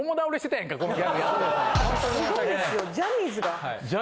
ジャニーズが。